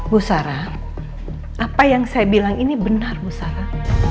bu sarah apa yang saya bilang ini benar bu sarah